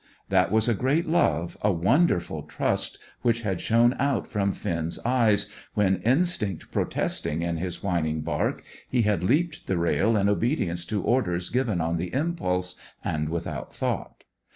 That was a great love, a wonderful trust which had shone out from Finn's eyes, when, instinct protesting in his whining bark, he had leaped the rail in obedience to orders given on the impulse, and without thought.